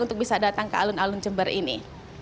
untuk bisa datang ke alun alun jember ini